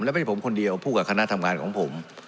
และไม่ได้ผมคนเดียวพูดกับคณะทำงานของผม